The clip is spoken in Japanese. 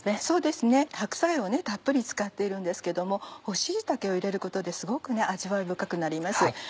そうですね白菜をたっぷり使っているんですけど干し椎茸を入れることですごく味わい深くなります。